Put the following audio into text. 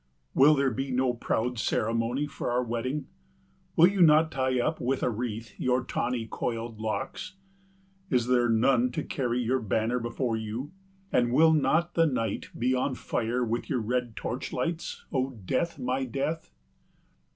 Will there be no proud ceremony for our wedding? Will you not tie up with a wreath your tawny coiled locks? Is there none to carry your banner before you, and will not the night be on fire with your red torch lights, O Death, my Death?